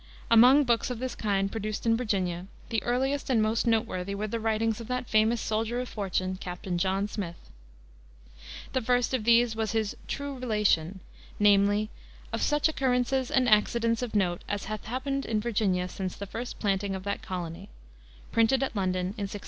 Among books of this kind produced in Virginia the earliest and most noteworthy were the writings of that famous soldier of fortune, Captain John Smith. The first of these was his True Relation, namely, "of such occurrences and accidents of note as hath happened in Virginia since the first planting of that colony," printed at London in 1608.